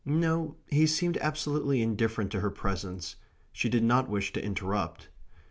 No: he seemed absolutely indifferent to her presence... she did not wish to interrupt.